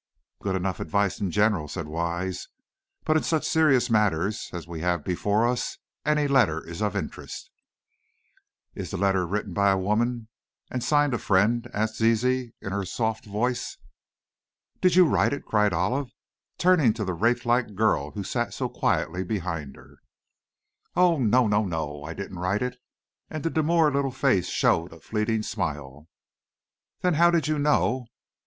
"Good enough advice, in general," said Wise; "but in such serious matters as we have before us any letter is of interest." "Is the letter written by a woman, and signed 'A Friend'?" asked Zizi in her soft voice. "Did you write it?" cried Olive, turning to the wraith like girl who sat so quietly behind her. "Oh, no, no, no! I didn't write it," and the demure little face showed a fleeting smile. "Then how did you know?